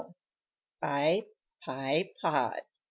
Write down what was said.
BY PYE POD.